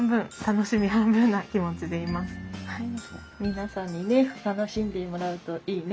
皆さんにね楽しんでもらうといいね。